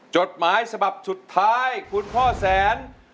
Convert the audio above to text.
จดหมายฉบับสุดท้ายคุณพ่อแสน